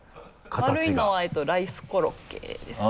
丸いのはライスコロッケです。